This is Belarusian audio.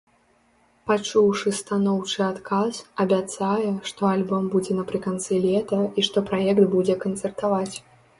Пачуўшы станоўчы адказ, абяцае, што альбом будзе напрыканцы лета, і што праект будзе канцэртаваць.